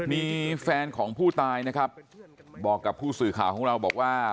มีแฟนของผู้ตายนะครับบอกกับผู้สื่อข่าวของเราบอกว่า